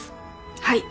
はい。